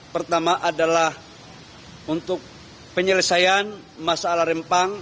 pertama adalah untuk penyelesaian masalah rempang